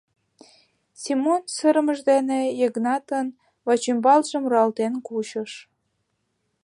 — Семон сырымыж дене Йыгнатын вачӱмбалжым руалтен кучыш.